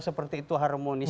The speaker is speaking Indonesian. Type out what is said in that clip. seperti itu harmonis